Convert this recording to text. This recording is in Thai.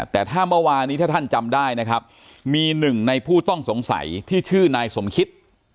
แต่ถ้าเมื่อวานี้ถ้าท่านจำได้นะครับมีหนึ่งในผู้ต้องสงสัยที่ชื่อนายสมคิต